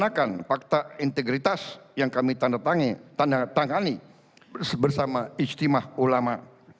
laksanakan fakta integritas yang kami tandatangani bersama istimah ulama